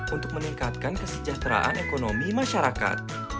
untuk meningkatkan kesejahteraan ekonomi masyarakat